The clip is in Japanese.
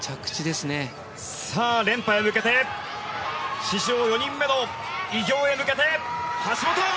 連覇へ向けて史上４人目の偉業へ向けて橋本！